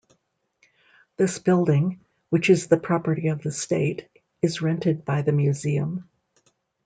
This building, which is the property of the state, is rented by the museum.